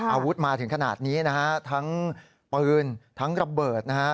อะวุฒมาถึงขนาดนี้ทั้งปืนทั้งระเบิด